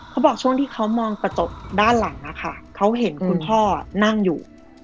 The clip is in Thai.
เขาบอกช่วงที่เขามองกระจกด้านหลังนะคะเขาเห็นคุณพ่อนั่งอยู่